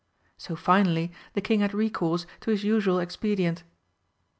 So finally the King had recourse to his usual expedient.